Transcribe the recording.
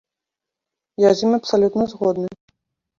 Я з ім абсалютна згодны.